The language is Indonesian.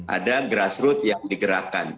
ada grassroot yang digerakkan